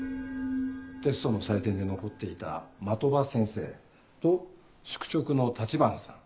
テストの採点で残っていた的場先生と宿直の立花さん。